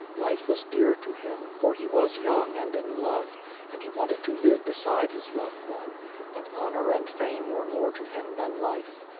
Life was dear to him, for he was yoiing and in love, and he wanted to live beside bis loved one; but honor and fame were more to him than life.